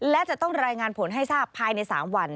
และจะต้องรายงานผลให้ทราบภายใน๓วัน